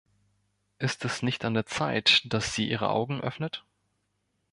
Ist es nicht an der Zeit, dass sie ihre Augen öffnet?